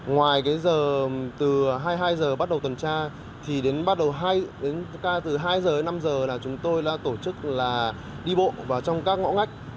ngoài từ hai mươi hai h bắt đầu tuần tra từ hai h đến năm h chúng tôi tổ chức đi bộ vào trong các ngõ ngách